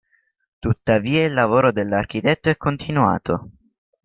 Tuttavia, il lavoro dell'architetto è continuato.